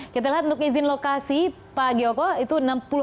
kita lihat untuk izin lokasi pak gioko itu enam puluh